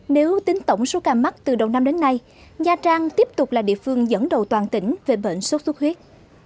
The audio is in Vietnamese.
nếu tính tổng số ca mắc từ đầu năm đến nay nha trang tiếp tục là địa phương dẫn đầu toàn tỉnh về bệnh sốt xuất huyết